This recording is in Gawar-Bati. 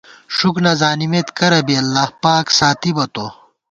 ݭُک نہ زانِمېت کرہ بی ، اللہ پاک ساتِبہ تو